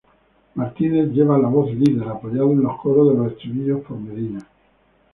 Martínez lleva la voz líder, apoyado en los coros de los estribillos por Medina.